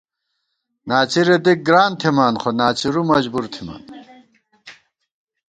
ناڅِرےدِک گران تھِمان خو ناڅِرُو مجبورتھِمان